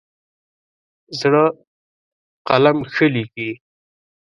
زړه قلم ښه لیکي.